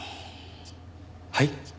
はい？